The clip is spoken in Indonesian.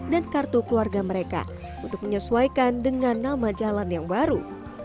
dan kartu keluarga mereka untuk menyesuaikan dengan nama jalan yang baru